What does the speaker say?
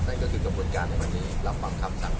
นั่นก็คือกระบวนการในวันนี้รับฟังคำสั่งของอายการครับ